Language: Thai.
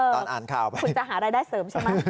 คุณจะหาอะไรได้เสริมใช่ไหม